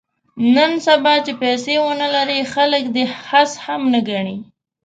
نن سبا چې پیسې ونه لرې خلک دې خس هم نه ګڼي.